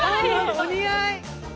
お似合い。